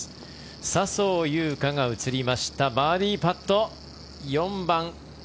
笹生優花が映りましたバーディーパット、４番。